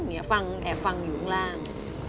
ฟังแอบฟังอยู่ข้างล่าง